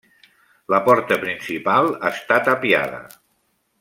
La porta principal està tapiada.